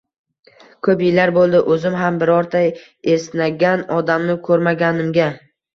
— Ko‘p yillar bo‘ldi o‘zim ham birorta esnagan odamni ko‘rmaganimga.